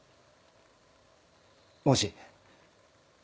もし。